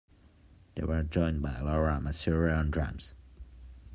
They were joined by Laura Masura on drums.